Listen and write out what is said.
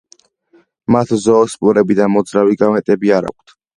მათ ზოოსპორები და მოძრავი გამეტები არა აქვთ.